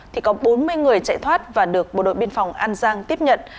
thì có bốn mươi người chạy thoát và được bộ đội biên phòng an giang tiếp nhận